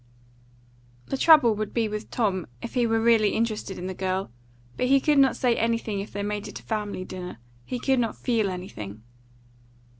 The trouble would be with Tom, if he were really interested in the girl; but he could not say anything if they made it a family dinner; he could not feel anything.